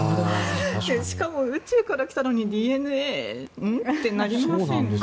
しかも、宇宙から来たのにＤＮＡ？ってなりませんか？